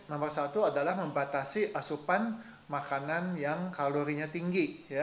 nomor satu adalah membatasi asupan makanan yang kalorinya tinggi